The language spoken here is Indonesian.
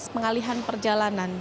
empat belas pengalihan perjalanan